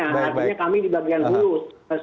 artinya kami di bagian hulu